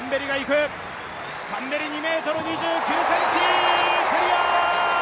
タンベリ、２ｍ２９ｃｍ、クリア！